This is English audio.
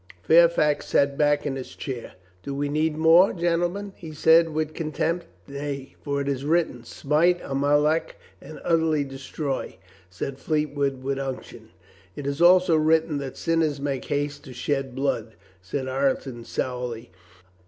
Fairfax sat back in his chair. "Do we need more, gentlemen ?" he said, with contempt. "Nay, for it is written, 'smite Amalek and utterly destroy,' " said Fleetwood with unction. "It is also written that sinners make haste to shed blood," said Ireton sourly.